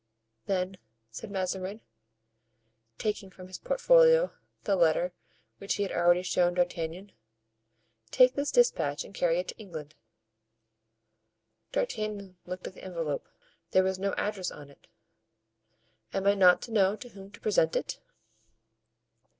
"Then," said Mazarin, taking from his portfolio the letter which he had already shown D'Artagnan, "take this dispatch and carry it to England." D'Artagnan looked at the envelope; there was no address on it. "Am I not to know to whom to present it?"